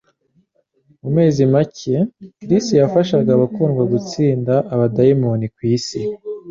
Mu mezi make, Chris yafashaga Abakundwa gutsinda abadayimoni kwisi.